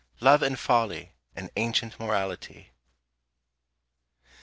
LOVE AND FOLLY, AN ANCIENT MORALITY.